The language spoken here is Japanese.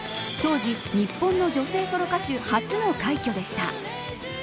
当時、日本の女性ソロ歌手初の快挙でした。